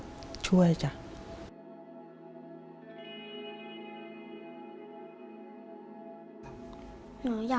หนูอยากให้พ่อกับแม่หายเหนื่อยครับ